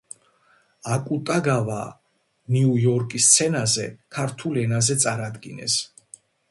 აკუტაგავა ნიუ იორკის სცენაზე ქართულ ენაზე წარადგინეს.